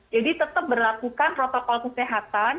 jadi tetap berlakukan protokol kesehatan